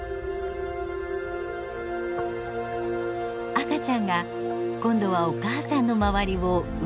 赤ちゃんが今度はお母さんの周りをうろうろ。